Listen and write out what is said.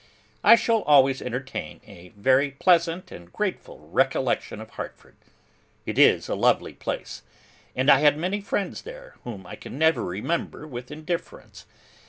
I shall always entertain a very pleasant and grateful recollection of Hartford. It is a lovely place, and I had many friends there, whom I can never remember with indifference.